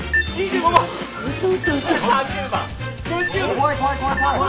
怖い怖い怖い。